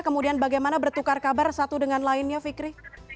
kemudian bagaimana bertukar kabar satu dengan lainnya fikri